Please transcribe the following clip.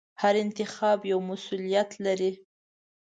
هر انتخاب یو مسؤلیت لري.